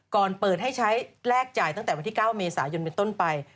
เปิดให้ใช้แลกจ่ายตั้งแต่วันที่๙เมษายนเป็นต้นไป